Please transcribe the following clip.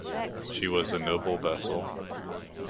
She was a noble vessel.